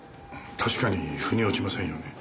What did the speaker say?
確かに腑に落ちませんよね。